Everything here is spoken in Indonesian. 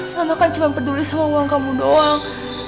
sama kan cuma peduli sama uang kamu doang